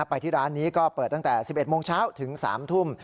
ไปที่ร้านนี้ก็เปิดตั้งแต่๑๑โมงเช้าถึง๓ทุ่ม